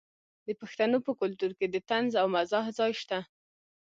د پښتنو په کلتور کې د طنز او مزاح ځای شته.